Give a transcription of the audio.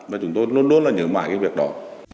và chúng tôi luôn luôn là nhớ mãi cái việc đó